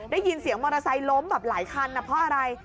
ได้ยินเสียงมอเตอร์ไซค์ล้มแบบหลายคันนะเพราะอะไร